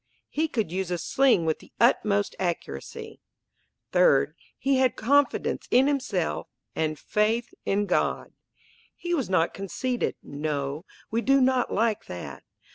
He could use a sling with the utmost accuracy. Third, he had confidence in himself and faith in God. He was not conceited, no, we do not like that.